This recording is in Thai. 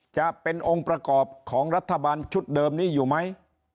จะเป็นองค์ประกอบของรัฐบาลชุดเดิมนี้อยู่ไหม